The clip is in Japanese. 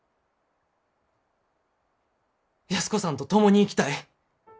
安子さんと共に生きたい。